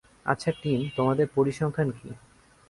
আচ্ছা, টিম, তোমাদের পরিসংখ্যান কী?